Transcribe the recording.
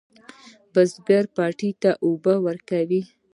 بزگر پټی اوبه کوي.